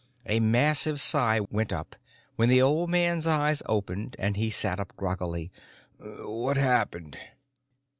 A massive sigh went up when the old man's eyes opened and he sat up groggily. "What happened?"